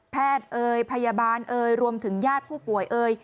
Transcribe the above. เอ่ยพยาบาลเอ่ยรวมถึงญาติผู้ป่วยเอ่ย